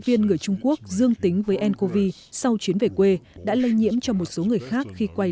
viên người trung quốc dương tính với ncov sau chuyến về quê đã lây nhiễm cho một số người khác khi quay